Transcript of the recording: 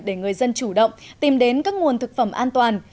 để người dân chủ động tìm đến các nguồn thực phẩm an toàn